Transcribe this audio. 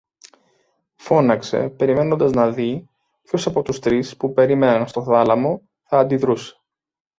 φώναξε, περιμένοντας να δει ποιος από τους τρεις που περίμεναν στο θάλαμο θα αντιδρούσε